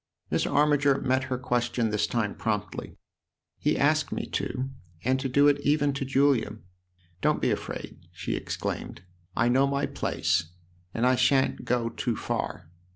Miss Armiger met her question this time promptly. " He has asked me to and to do it even to Julia. Don't be afraid !" she exclaimed ;" I know my place and I shan't go too far.